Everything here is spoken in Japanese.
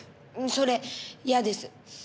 それ嫌です。